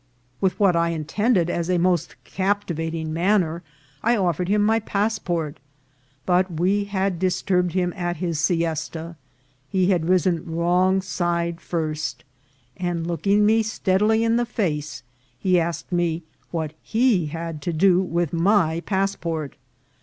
With what I intended as a most captivating manner, I offered him my passport ; but we had dis turbed him at his siesta ; he had risen wrong side first ; and, looking me steadily in the face, he asked me what he had to do with rny passport.